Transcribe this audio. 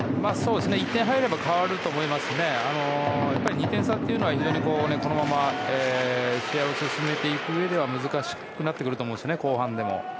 １点入れば変わると思いますし２点差っていうのはこのまま試合を進めていくうえでは難しくなってくると思いますね後半でも。